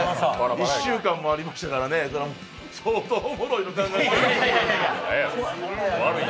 １週間もありましたからね、相当おもろいの考えたかと。